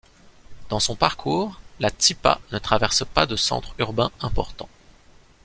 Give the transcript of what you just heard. Dans son parcours, la Tsipa ne traverse pas de centres urbains importants.